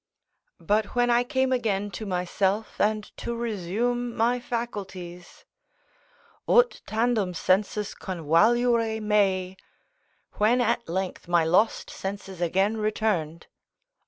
But when I came again to myself and to resume my faculties: "Ut tandem sensus convaluere mei," ["When at length my lost senses again returned."